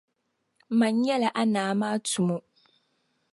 Mani nyɛla a Naa maa tumo.